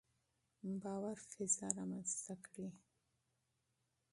باور فضا رامنځته کړئ.